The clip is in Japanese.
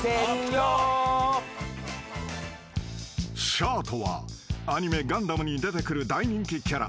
［シャアとはアニメ『ガンダム』に出てくる大人気キャラ］